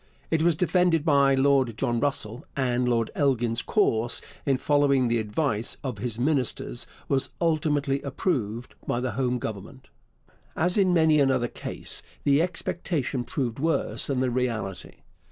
It was defended by Lord John Russell, and Lord Elgin's course in following the advice of his ministers was ultimately approved by the home government. As in many another case, the expectation proved worse than the reality.